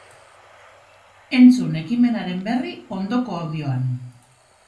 Entzun ekimenaren berri, ondoko audioan!